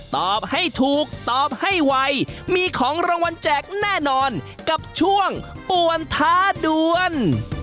ตอบให้ถูกตอบให้ไวมีของรางวัลแจกแน่นอนกับช่วงป่วนท้าด่วน